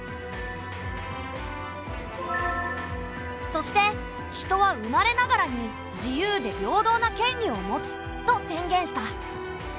そして「人は生まれながらに自由で平等な権利を持つ」と宣言した。